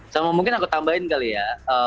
sama mungkin aku tambahin kali ya